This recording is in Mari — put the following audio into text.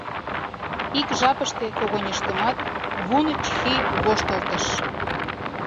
Ик жапыште когыньыштымат Вун-Чхи воштылтыш.